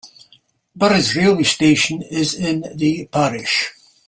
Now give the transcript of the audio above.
Bures railway station is in the parish.